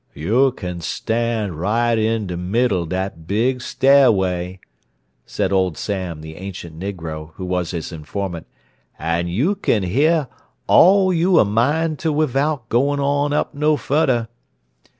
"You kin stan' right in de middle dat big, sta'y way," said Old Sam, the ancient negro, who was his informant, "an' you kin heah all you a mind to wivout goin' on up no fudda.